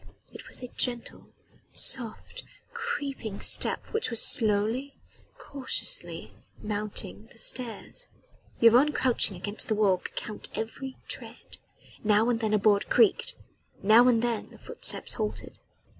It was a gentle, soft, creeping step which was slowly, cautiously mounting the stairs. Yvonne crouching against the wall could count every tread now and then a board creaked now and then the footsteps halted.